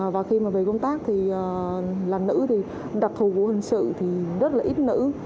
và khi mà về công tác thì là nữ thì đặc thù của hình sự thì rất là ít nữ